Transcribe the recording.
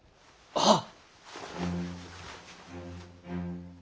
はっ！